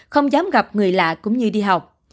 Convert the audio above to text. không dám gặp người lạ cũng như đi học